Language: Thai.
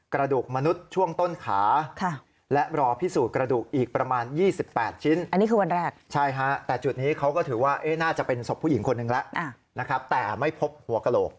กระดูกมนุษย์ช่วงต้นขาและรอพิสูจน์กระดูกอีกประมาณ๒๘ชิ้นอันนี้คือวันแรกใช่ฮะแต่จุดนี้เขาก็ถือว่าน่าจะเป็นศพผู้หญิงคนนึงแล้วนะครับแต่ไม่พบหัวกระโหลก